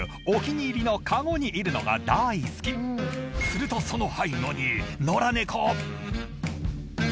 お気に入りのかごにいるのが大好きするとその背後にノラネコ